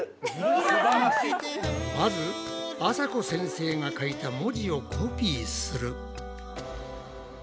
まずあさこ先生が書いた文字をコピーする。